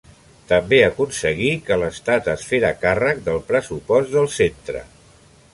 També aconseguí que l'Estat es fera càrrec del pressupost del centre.